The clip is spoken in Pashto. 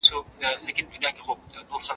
پوه کسان هره ورځ نوي کتابونه مطالعه کوي.